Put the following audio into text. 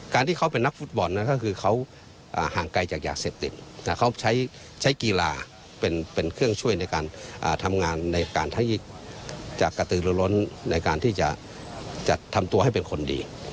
ที่เขาเป็นนักฟุตบอลนั้นก็คือเขาห่างไกลจากยาเสพติดเขาใช้กีฬาเป็นเครื่องช่วยในการทำงานในการที่จะกระตือหรือล้นในการที่จะจัดทำตัวให้เป็นคนดี